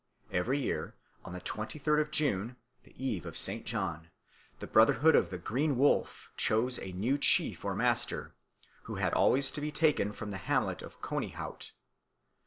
Every year, on the twenty third of June, the Eve of St. John, the Brotherhood of the Green Wolf chose a new chief or master, who had always to be taken from the hamlet of Conihout.